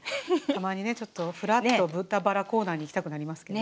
たまにねちょっとふらっと豚バラコーナーに行きたくなりますけどね。